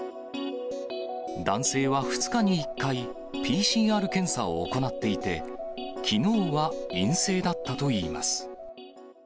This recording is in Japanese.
男性は２日に１回、ＰＣＲ検査を行っていて、きのうは陰性だったといいます。